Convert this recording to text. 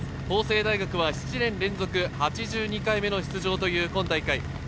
法政大学は７年連続８２回目の出場という今大会。